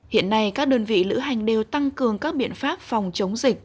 hiện nay các đơn vị lữ hành đều tăng cường các biện pháp phòng chống dịch